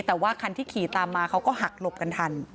แต่ว่าคันที่ขี่ตามมาเขาก็หักหลบกันทัน